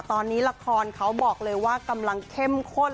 ตอนนี้ละครเขาบอกเลยว่ากำลังเข้มข้น